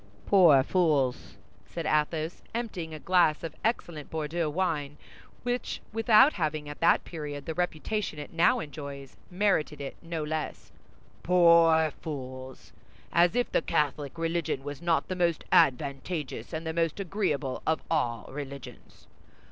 "Poor fools!" said Athos, emptying a glass of excellent Bordeaux wine which, without having at that period the reputation it now enjoys, merited it no less, "poor fools! As if the Catholic religion was not the most advantageous and the most agreeable of all religions!